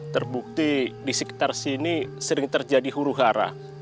terbukti di sekitar sini sering terjadi huru hara